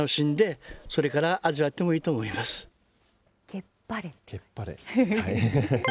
けっぱれ。